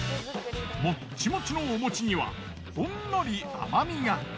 もっちもちのおもちにはほんのり甘みが。